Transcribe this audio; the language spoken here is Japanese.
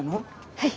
はい。